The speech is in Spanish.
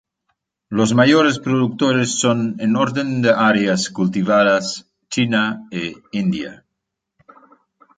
Los mayores productores son, en orden de áreas cultivadas, China, e India.